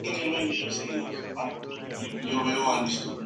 Practica la cienciología.